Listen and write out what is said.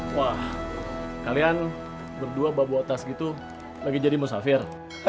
wah kalian berdua bawa bawa tas gitu lagi jadi musafir